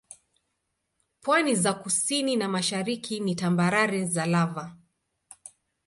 Pwani za kusini na mashariki ni tambarare za lava.